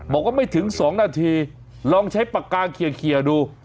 บอกว่าไม่ถึง๒นาทีลองใช้ปากกาเคลียร์ดู